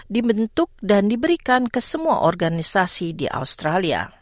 dibentuk dan diberikan ke semua organisasi di australia